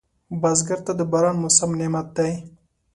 بزګر ته د باران موسم نعمت دی